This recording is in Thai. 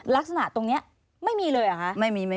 ลักษณะตรงนี้ไม่มีเลยเหรอคะ